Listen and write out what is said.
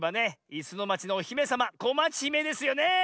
「いすのまち」のおひめさまこまちひめですよねえ！